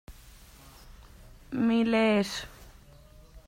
Milers.